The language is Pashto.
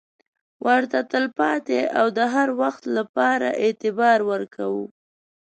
ورته تل پاتې او د هروخت لپاره اعتبار ورکوو.